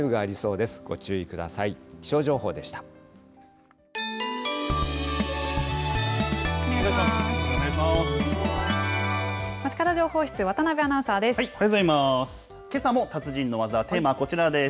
おはようございます。